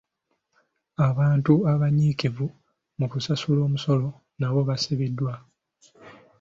Abantu abanyiikivu mu kusasula omusolo nabo baasiimiddwa.